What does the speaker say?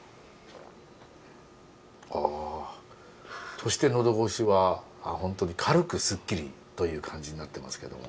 そして喉越しはホントに軽くスッキリという感じになってますけども。